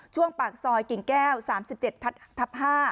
ช่วงปากซอยกิ่งแก้ว๓๗ทับ๕